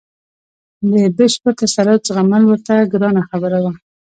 د بشپړ تسلط زغمل ورته ګرانه خبره وه.